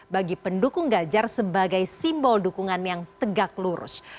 bagi pendukung ganjar sebagai simbol dukungan yang tegak lurus